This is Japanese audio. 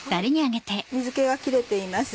水気が切れています。